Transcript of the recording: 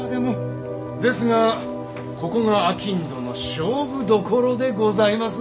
ですがここが商人の勝負どころでございます。